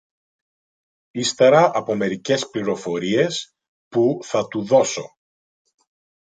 ύστερα από μερικές πληροφορίες που θα του δώσω